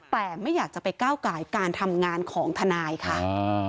แต่ไม่อยากจะไปก้าวไก่การทำงานของทนายค่ะ